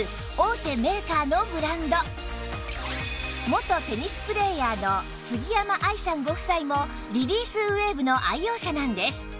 元テニスプレーヤーの杉山愛さんご夫妻もリリースウェーブの愛用者なんです